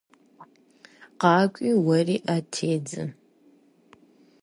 КъакӀуи, уэри Ӏэ тедзэ.